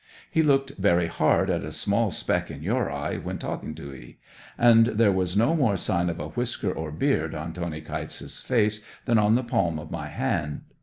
He looked very hard at a small speck in your eye when talking to 'ee. And there was no more sign of a whisker or beard on Tony Kytes's face than on the palm of my hand.